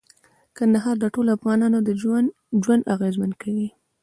کندهار د ټولو افغانانو ژوند اغېزمن کوي.